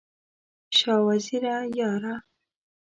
شاه وزیره یاره!